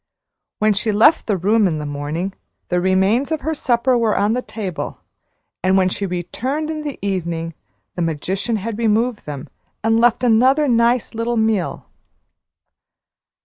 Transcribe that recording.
When she left the room in the morning, the remains of her supper were on the table, and when she returned in the evening, the magician had removed them, and left another nice little meal.